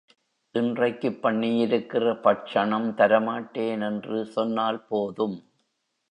இன்றைக்குப் பண்ணியிருக்கிற பட்சணம் தர மாட்டேன் என்று சொன்னால் போதும்.